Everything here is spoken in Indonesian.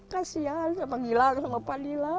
tapi dia bisa semangat buat sekolah mau sekolah